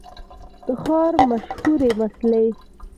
د ښار مشهورې مسلۍ